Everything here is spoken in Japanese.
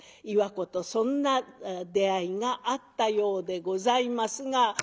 岩子とそんな出会いがあったようでございますが。